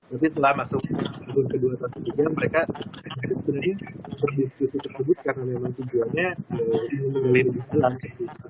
tapi setelah masuk ke dua atau tiga jam mereka sebenarnya berdiskusi tersebut karena memang tujuannya mengingat literatur